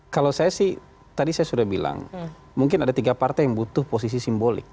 kalau saya sih tadi saya sudah bilang mungkin ada tiga partai yang butuh posisi simbolik